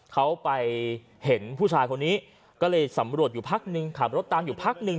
เขาไปเห็นผู้ชายคนนี้ก็เลยสำรวจอยู่พักนึงขับรถตามอยู่พักหนึ่ง